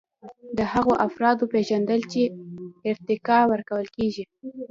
د هغو افرادو پیژندل چې ارتقا ورکول کیږي.